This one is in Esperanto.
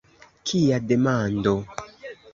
Kia demando!